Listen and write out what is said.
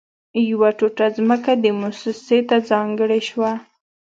يوه ټوټه ځمکه دې مؤسسې ته ځانګړې شوه